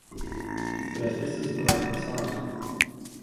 Vielleicht ist es bereits bezahlt.